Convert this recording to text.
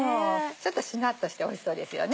ちょっとしなっとしておいしそうですよね。